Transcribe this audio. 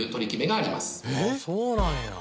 あっそうなんや。